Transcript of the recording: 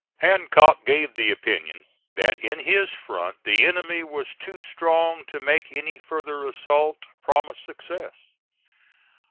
Hancock gave the opinion that in his front the enemy was too strong to make any further assault promise success.